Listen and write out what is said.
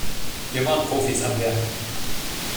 Hier waren Profis am Werk.